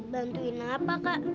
bantuin apa kak